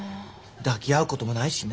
抱き合うこともないしね。